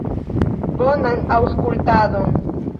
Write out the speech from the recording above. Bonan aŭskultadon!